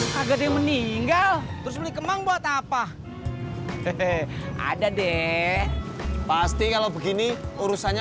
kagak dia meninggal terus beli kemang buat apa hehehe ada deh pasti kalau begini urusannya